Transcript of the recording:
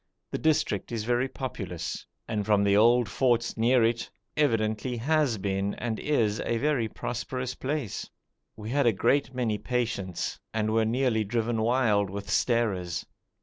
The district is very populous, and from the old forts near it evidently has been and is a very prosperous place. We had a great many patients, and were nearly driven wild with starers.